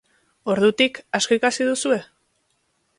Ordutik asko ikasi duzue?